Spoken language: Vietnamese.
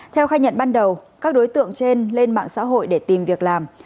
theo khai nhận ban đầu các đối tượng trên lên mạng xã hội để tìm việc làm